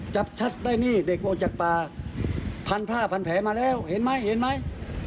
จับชัดได้นี่เด็กออกจากป่าพันผ้าพันแผลมาแล้วเห็นไหมเห็นไหม